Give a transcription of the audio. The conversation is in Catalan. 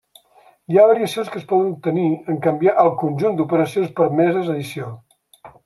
Hi ha variacions que es poden obtenir en canviar el conjunt d'operacions permeses edició.